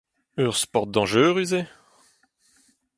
Ur sport dañjerus eo ?